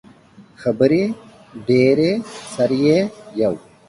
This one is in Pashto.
خبرې ډیرې سر يې یو.